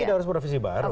tidak harus provinsi baru